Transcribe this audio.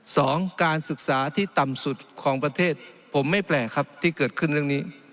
การศึกษาที่ต่ำสุดของประเทศผมไม่แปลกครับที่เกิดขึ้นเรื่องนี้